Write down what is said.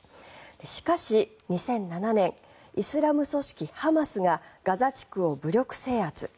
しかし２００７年イスラム組織ハマスがガザ地区を武力制圧。